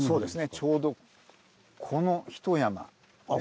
ちょうどこのひと山ですね。